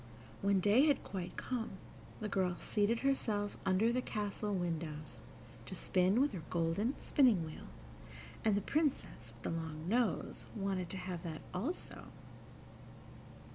When day had quite come, the girl seated herself under the castle windows, to spin with her golden spinning wheel, and the Princess with the long nose wanted to have that also.